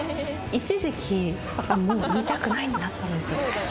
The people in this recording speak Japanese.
一時期もう見たくないになったんです